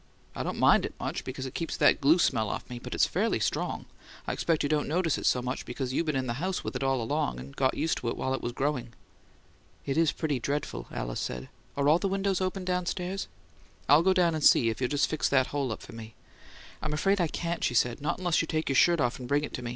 I don't mind it much, because it keeps that glue smell off me, but it's fairly strong. I expect you don't notice it so much because you been in the house with it all along, and got used to it while it was growing." "It is pretty dreadful," Alice said. "Are all the windows open downstairs?" "I'll go down and see, if you'll just fix that hole up for me." "I'm afraid I can't," she said. "Not unless you take your shirt off and bring it to me.